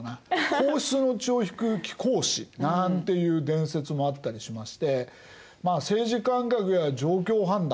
皇室の血を引く貴公子なんていう伝説もあったりしまして政治感覚や状況判断